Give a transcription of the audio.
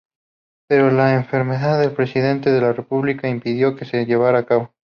Pero, la enfermedad del presidente de la República impidió que se llevara a cabo.